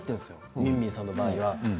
みんみんさんの場合は。